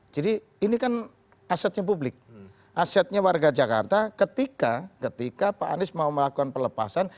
jadi ini kan asetnya publik asetnya warga jakarta ketika pak anies mau melakukan pelepasan